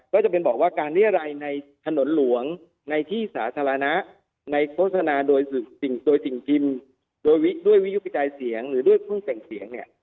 ก็จะเป็นบอกว่าการเรียรัยในถนนหลวงในที่สาธารณะในโฆษณาโดยสิ่งโดยสิ่งพิมพ์โดยด้วยวิยุกระจายเสียงหรือด้วยเครื่องแต่งเสียงเนี่ย